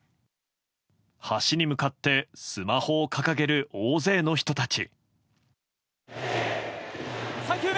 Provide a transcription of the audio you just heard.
橋に向かってスマホを掲げる大勢の人たち。